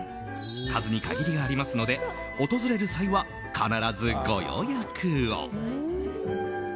数に限りがありますので訪れる際は必ずご予約を。